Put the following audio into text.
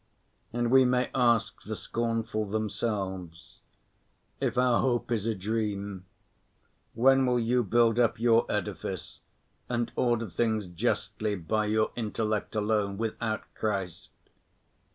And we may ask the scornful themselves: If our hope is a dream, when will you build up your edifice and order things justly by your intellect alone, without Christ?